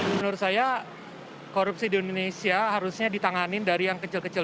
menurut saya korupsi di indonesia harusnya ditanganin dari yang kecil kecil